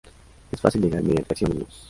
Es fácil llegar mediante taxi o minibús.